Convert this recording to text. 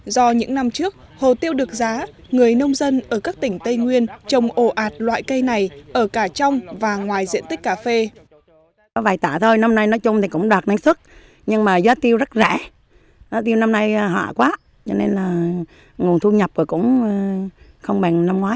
do những năm trước hồ tiêu được giá người nông dân ở các tỉnh tây nguyên trồng ồ ạt loại cây này ở cả trong và ngoài diện tích cà phê